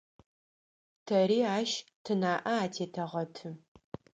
Тэри ащ тынаӏэ атетэгъэты.